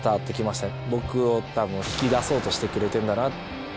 僕をたぶん引き出そうとしてくれてんだな。